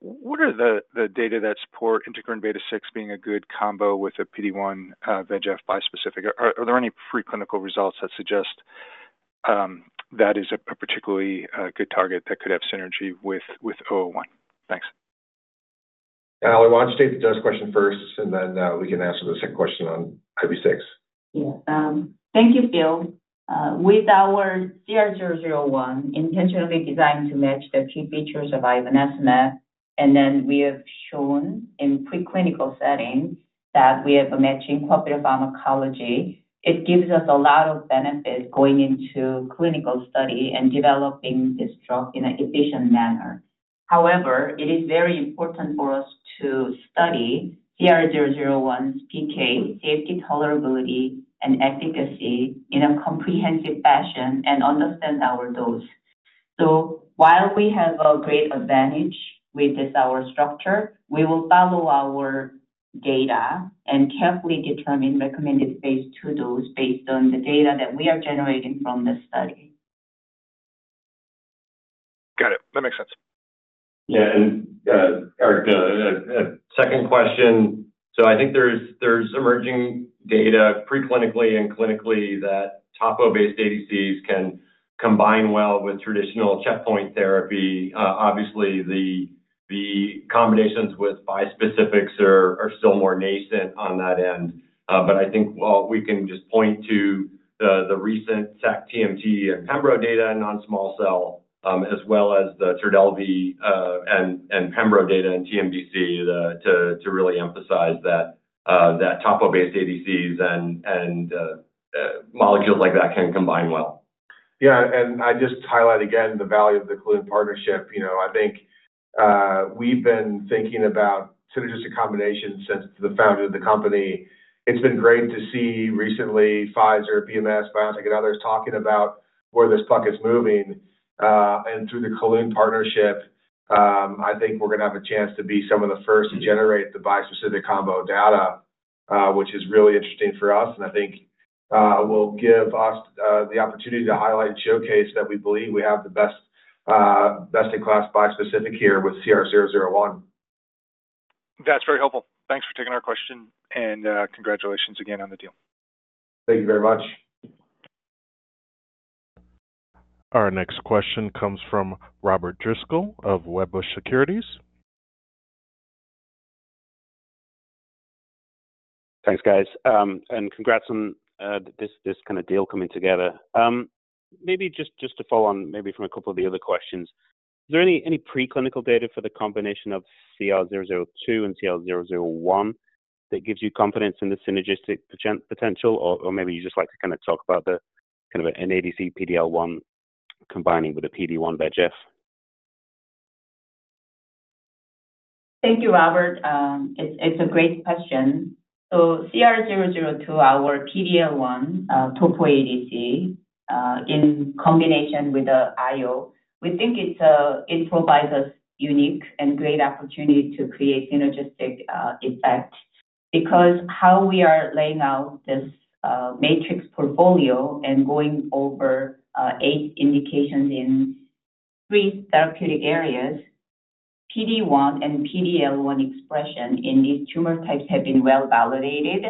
what are the data that support integrin beta-6 being a good combo with a PD-1 VEGF bispecific? Are there any preclinical results that suggest that is a particularly good target that could have synergy with CR001? Thanks. Ellie, why don't you take the first question first, and then we can answer the second question on IB6. Yes. Thank you, Phil. With our CR001, intentionally designed to match the key features of ivonescimab, and then we have shown in preclinical settings that we have a match in comparable pharmacology, it gives us a lot of benefit going into clinical study and developing this drug in an efficient manner. However, it is very important for us to study CR001's PK, safety, tolerability, and efficacy in a comprehensive fashion and understand our dose. So while we have a great advantage with this our structure, we will follow our data and carefully determine recommended phase two dose based on the data that we are generating from this study. Got it. That makes sense. Yeah. And Eric, a second question. So I think there's emerging data preclinically and clinically that topo-based ADCs can combine well with traditional checkpoint therapy. Obviously, the combinations with bispecifics are still more nascent on that end. But I think we can just point to the recent sac-TMT and PEMBRO data in non-small cell, as well as the Trodelvy and PEMBRO data in TMBC to really emphasize that topo-based ADCs and molecules like that can combine well. Yeah. And I just highlight again the value of the Kelun partnership. I think we've been thinking about just a combination since the founding of the company. It's been great to see recently Pfizer, BMS, BioNTech, and others talking about where this puck is moving. And through the Kelun partnership, I think we're going to have a chance to be some of the first to generate the bispecific combo data, which is really interesting for us. And I think will give us the opportunity to highlight and showcase that we believe we have the best-in-class bispecific here with CR001. That's very helpful. Thanks for taking our question. And congratulations again on the deal. Thank you very much. Our next question comes from Robert Driscoll of Wedbush Securities. Thanks, guys. And congrats on this kind of deal coming together. Maybe just to follow on maybe from a couple of the other questions, is there any preclinical data for the combination of CR002 and CR001 that gives you confidence in the synergistic potential, or maybe you just like to kind of talk about kind of an ADC PD-L1 combining with a PD-1 VEGF? Thank you, Robert. It's a great question, so CR002, our PD-L1 topo ADC in combination with the IO, we think it provides us unique and great opportunity to create synergistic effect because how we are laying out this matrix portfolio and going over eight indications in three therapeutic areas, PD-1 and PD-L1 expression in these tumor types have been well validated,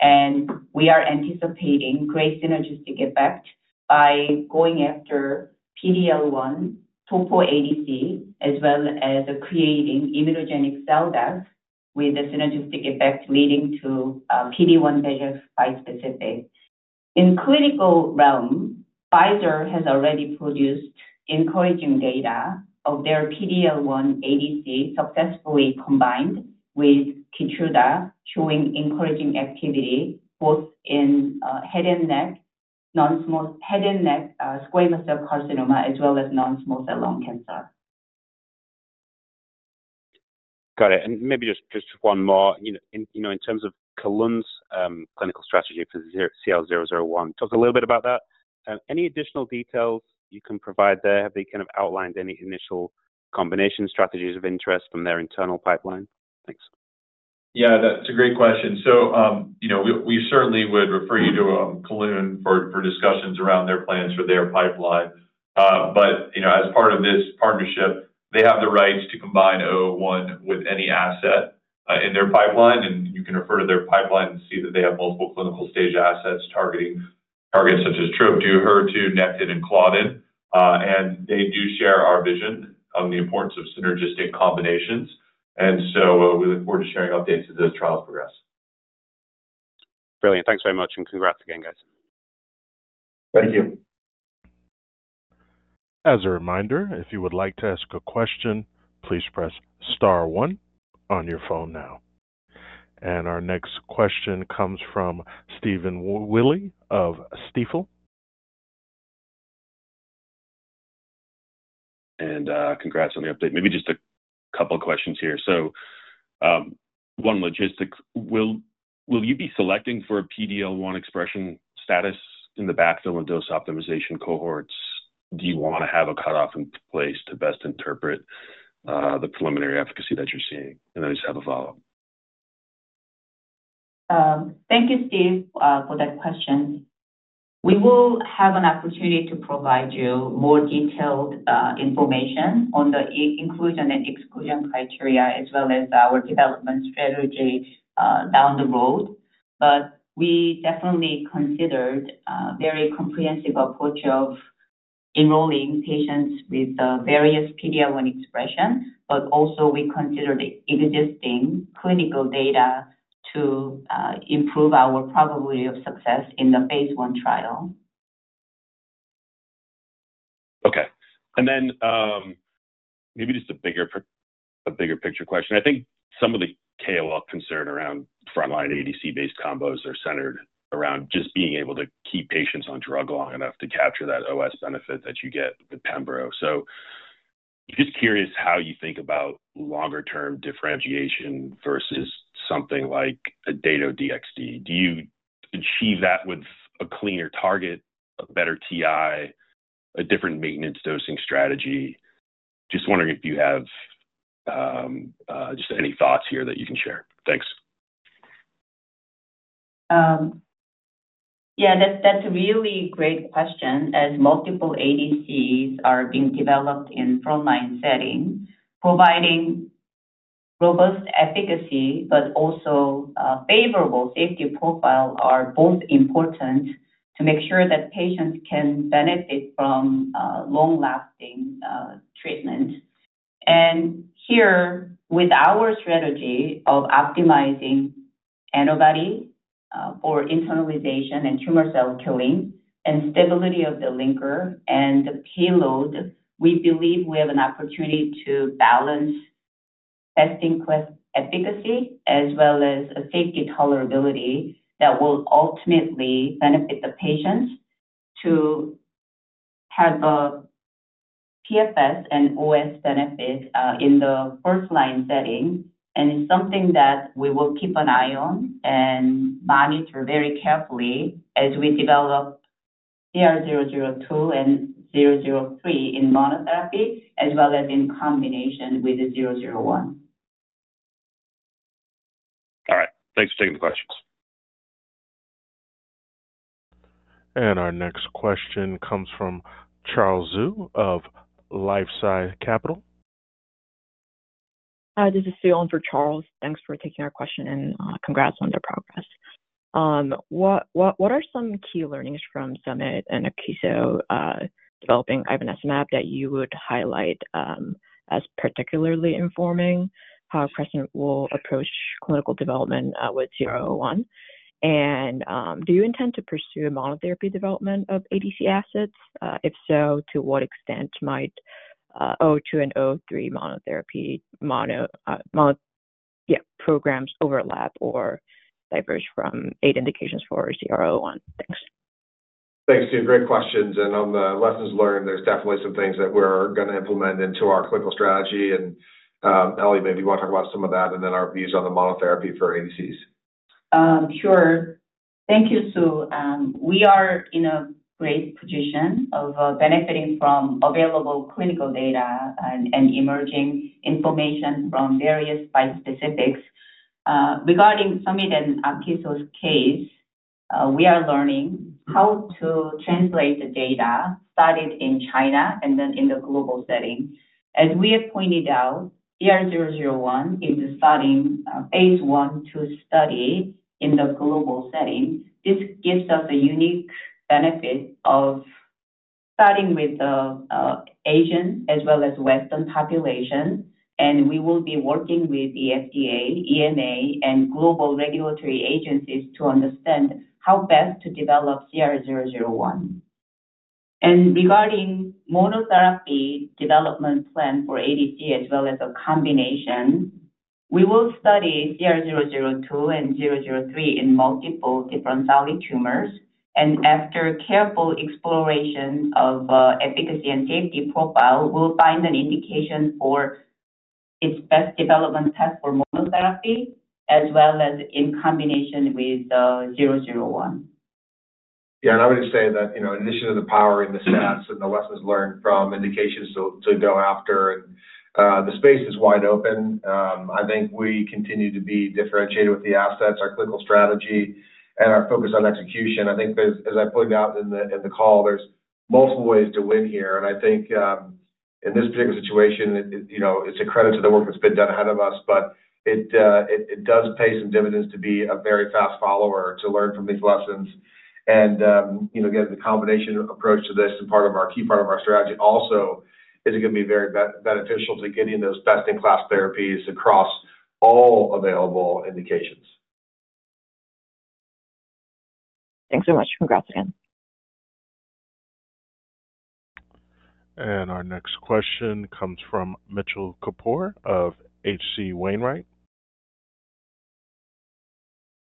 and we are anticipating great synergistic effect by going after PD-L1 topo ADC as well as creating immunogenic cell death with the synergistic effect leading to PD-1 VEGF bispecific. In clinical realm, Pfizer has already produced encouraging data of their PD-L1 ADC successfully combined with Keytruda showing encouraging activity both in head and neck, head and neck squamous cell carcinoma as well as non-small cell lung cancer. Got it, and maybe just one more. In terms of Kelun's clinical strategy for CR001, talk a little bit about that. Any additional details you can provide there? Have they kind of outlined any initial combination strategies of interest from their internal pipeline? Thanks. Yeah, that's a great question. So we certainly would refer you to Kelun for discussions around their plans for their pipeline. But as part of this partnership, they have the right to combine 001 with any asset in their pipeline. And you can refer to their pipeline and see that they have multiple clinical stage assets targeting targets such as TROP2, HER2, Nectin, and Claudin. And they do share our vision on the importance of synergistic combinations. And so we look forward to sharing updates as those trials progress. Brilliant. Thanks very much. And congrats again, guys. Thank you. As a reminder, if you would like to ask a question, please press star one on your phone now. Our next question comes from Stephen Willey of Stifel. Congrats on the update. Maybe just a couple of questions here. So one logistic. Will you be selecting for a PD-L1 expression status in the backfill and dose optimization cohorts? Do you want to have a cutoff in place to best interpret the preliminary efficacy that you're seeing? And then just have a follow-up. Thank you, Steve, for that question. We will have an opportunity to provide you more detailed information on the inclusion and exclusion criteria as well as our development strategy down the road. But we definitely considered a very comprehensive approach of enrolling patients with various PD-L1 expression, but also we considered existing clinical data to improve our probability of success in the phase one trial. Okay. And then maybe just a bigger picture question. I think some of the KOL concern around frontline ADC-based combos are centered around just being able to keep patients on drug long enough to capture that OS benefit that you get with PEMBRO. So just curious how you think about longer-term differentiation versus something like a Dato-DXd. Do you achieve that with a cleaner target, a better TI, a different maintenance dosing strategy? Just wondering if you have just any thoughts here that you can share. Thanks. Yeah, that's a really great question. As multiple ADCs are being developed in frontline settings, providing robust efficacy but also favorable safety profile are both important to make sure that patients can benefit from long-lasting treatment. And here, with our strategy of optimizing antibody for internalization and tumor cell killing and stability of the linker and the payload, we believe we have an opportunity to balance testing efficacy as well as safety tolerability that will ultimately benefit the patients to have a PFS and OS benefit in the first line setting. And it's something that we will keep an eye on and monitor very carefully as we develop CR002 and 003 in monotherapy as well as in combination with the 001. All right. Thanks for taking the questions. And our next question comes from Charles Zhu of LifeSci Capital. Hi, this is Ffion for Charles. Thanks for taking our question. And congrats on the progress. What are some key learnings from Summit and Akeso developing Ivonescimab that you would highlight as particularly informing how Crescent will approach clinical development with 001? Do you intend to pursue a monotherapy development of ADC assets? If so, to what extent might 02 and 03 monotherapy programs overlap or diverge from eight indications for CR001? Thanks. Thanks, Steve. Great questions. On the lessons learned, there's definitely some things that we're going to implement into our clinical strategy. Ellie, maybe you want to talk about some of that and then our views on the monotherapy for ADCs. Sure. Thank you, Steve. We are in a great position of benefiting from available clinical data and emerging information from various bispecifics. Regarding Summit and Akeso's case, we are learning how to translate the data studied in China and then in the global setting. As we have pointed out, CR001 is starting phase 1 to study in the global setting. This gives us a unique benefit of starting with the Asian as well as Western population. And we will be working with the FDA, EMA, and global regulatory agencies to understand how best to develop CR001. And regarding monotherapy development plan for ADC as well as a combination, we will study CR002 and 003 in multiple different solid tumors. And after careful exploration of efficacy and safety profile, we'll find an indication for its best development test for monotherapy as well as in combination with 001. Yeah. And I would just say that in addition to the power in the stats and the lessons learned from indications to go after, the space is wide open. I think we continue to be differentiated with the assets, our clinical strategy, and our focus on execution. I think, as I pointed out in the call, there's multiple ways to win here. And I think in this particular situation, it's a credit to the work that's been done ahead of us, but it does pay some dividends to be a very fast follower to learn from these lessons. And again, the combination approach to this and part of our key part of our strategy also is going to be very beneficial to getting those best-in-class therapies across all available indications. Thanks so much. Congrats again. And our next question comes from Mitchell Kapoor of H.C. Wainwright.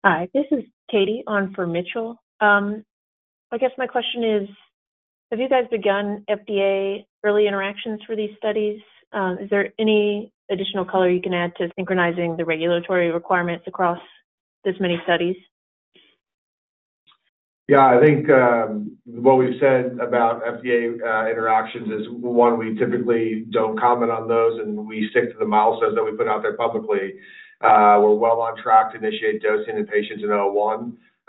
Hi, this is Katie on for Mitchell. I guess my question is, have you guys begun FDA early interactions for these studies? Is there any additional color you can add to synchronizing the regulatory requirements across this many studies? Yeah. I think what we've said about FDA interactions is, one, we typically don't comment on those, and we stick to the milestones that we put out there publicly. We're well on track to initiate dosing in patients in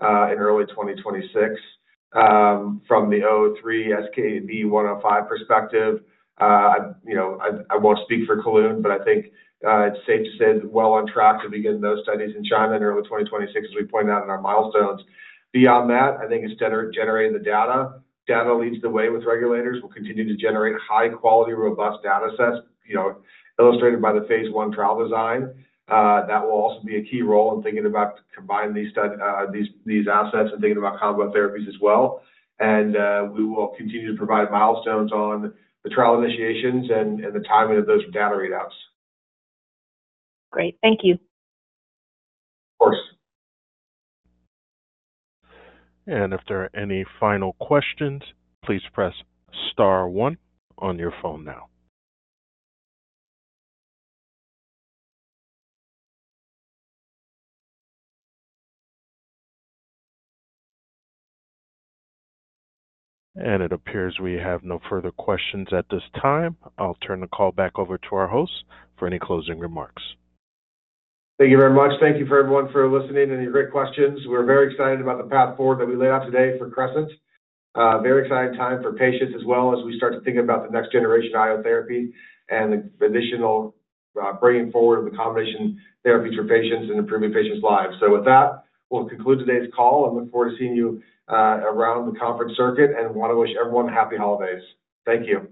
CR-001 in early 2026. From the CR-003 SKB105 perspective, I won't speak for Kelun, but I think it's safe to say that we're well on track to begin those studies in China in early 2026, as we point out in our milestones. Beyond that, I think instead of generating the data, data leads the way with regulators. We'll continue to generate high-quality, robust data sets, illustrated by the phase 1 trial design. That will also be a key role in thinking about combining these assets and thinking about combo therapies as well. And we will continue to provide milestones on the trial initiations and the timing of those data readouts. Great. Thank you. Of course. And if there are any final questions, please press star one on your phone now. And it appears we have no further questions at this time. I'll turn the call back over to our hosts for any closing remarks. Thank you very much. Thank you for everyone for listening and your great questions. We're very excited about the path forward that we laid out today for Crescent. Very exciting time for patients as well as we start to think about the next generation of IO therapy and the additional bringing forward of the combination therapies for patients and improving patients' lives. So with that, we'll conclude today's call and look forward to seeing you around the conference circuit and want to wish everyone happy holidays. Thank you.